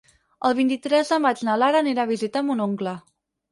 El vint-i-tres de maig na Lara anirà a visitar mon oncle.